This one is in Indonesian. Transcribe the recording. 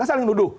kita saling duduk